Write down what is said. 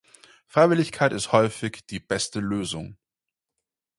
Freiwilligkeit ist häufig die beste Lösung.